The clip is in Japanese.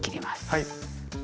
はい。